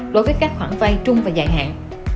đối với các khoản vay trung và dài hạn